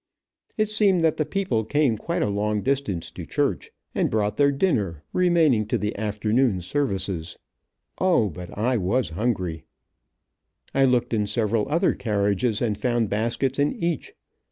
It seemed that the people came quite a long distance to church, and brought their dinner, remaining to the afternoon services. O, but I was hungry. I looked in several other carriages, and found baskets in each.